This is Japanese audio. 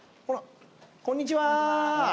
こんにちは。